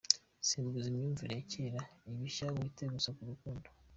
Simbuza imyumvire ya kera ibishya wite gusa ku rukundo .